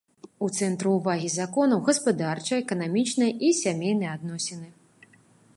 У цэнтры ўвагі законаў гаспадарчыя, эканамічныя і сямейныя адносіны.